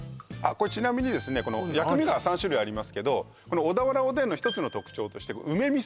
これちなみに薬味が３種類ありますけどこの小田原おでんの一つの特徴として梅味噌